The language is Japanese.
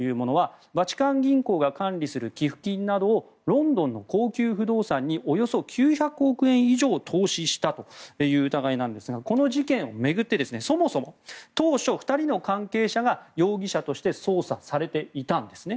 バチカン銀行が管理する寄付金などをロンドンの高級不動産におよそ９００億円以上投資したという疑いですがこの事件を巡ってそもそも当初２人の関係者が捜査されていたんですね。